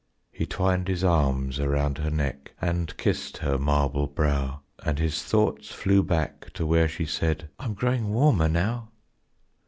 He twined his arms around her neck and kissed her marble brow, And his thoughts flew back to where she said, "I'm growing warmer now."